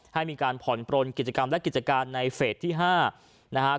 ให้มีการผ่อนปลนกิจกรรมและกิจการในเฟสที่๕นะครับ